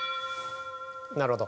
なるほど。